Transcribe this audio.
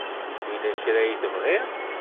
Yella kra ay tebɣiḍ?